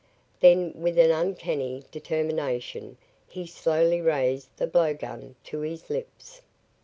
Then with an uncanny determination he slowly raised the blow gun to his lips.